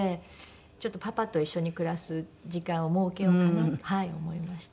ちょっとパパと一緒に暮らす時間を設けようかなと思いました。